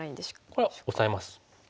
これはオサえます。